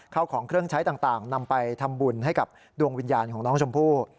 ของเครื่องใช้ต่างนำไปทำบุญให้กับดวงวิญญาณของน้องชมพู่